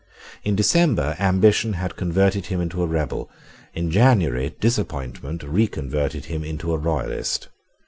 In December ambition had converted him into a rebel. In January disappointment reconverted him into a royalist.